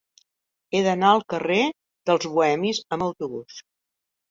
He d'anar al carrer dels Bohemis amb autobús.